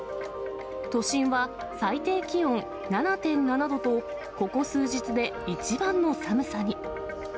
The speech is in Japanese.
都心は最低気温７．７度と、ここ数日で一番の寒さに。